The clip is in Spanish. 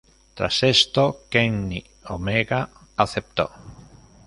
Tras esto, Kenny Omega aceptó.